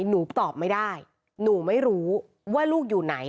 หนูตอบไม่ได้หนูไม่รู้ว่าลูกอยู่ไหน